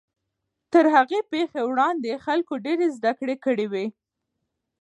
تر هغې پیښې وړاندې خلکو ډېرې زدهکړې کړې وې.